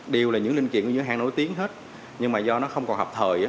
điều là những linh kiện của những hàng nổi tiếng hết nhưng mà do nó không còn hợp thời